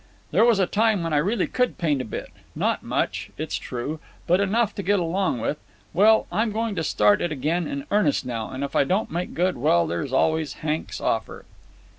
"There was a time when I really could paint a bit. Not much, it's true, but enough to get along with. Well, I'm going to start it again in earnest now, and if I don't make good, well, there's always Hank's offer."